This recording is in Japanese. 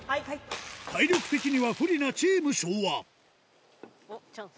体力的には不利なチーム昭和おっチャンス！